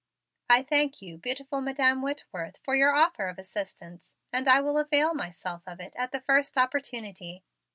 "I thank you, beautiful Madam Whitworth, for your offer of assistance, and I will avail myself of it at the first opportunity.